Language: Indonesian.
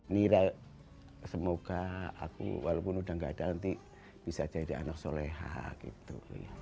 nira semoga aku walaupun udah gak ada nanti bisa jadi anak soleha gitu